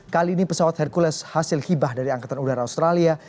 kali ini pesawat hercules hasil hibah dari angkatan udara australia